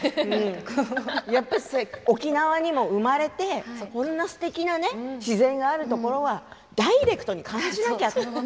やっぱり沖縄にも生まれてこんなすてきな自然があるところはダイレクトに感じなきゃと。